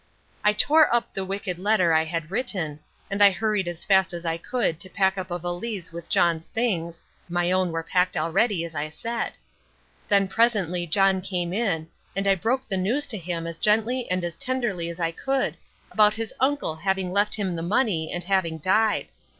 I tore up the wicked letter I had written, and I hurried as fast as I could to pack up a valise with John's things (my own were packed already, as I said). Then presently John came in, and I broke the news to him as gently and as tenderly as I could about his uncle having left him the money and having died.